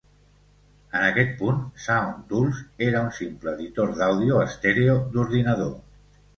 En aquest punt, Sound Tools era un simple editor d'àudio estèreo d'ordinador.